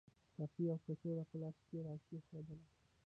ساقي یوه کڅوړه په لاس کې راکېښودل.